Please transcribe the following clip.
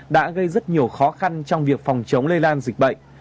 đã gây rất nhiều khó khăn trong việc phòng chống lây lan dịch bệnh